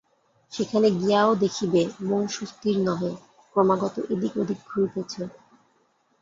সেখানে গিয়াও দেখিবে, মন সুস্থির নহে, ক্রমাগত এদিক ওদিক ঘুরিতেছে।